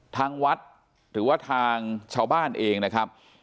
ทางวัดหรือว่าทางชาวบ้านเองนะครับ